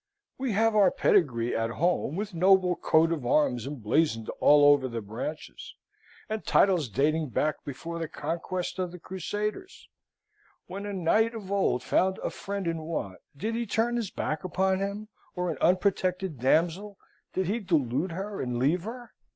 We have our pedigree at home with noble coats of arms emblazoned all over the branches, and titles dating back before the Conquest and the Crusaders. When a knight of old found a friend in want, did he turn his back upon him, or an unprotected damsel, did he delude her and leave her?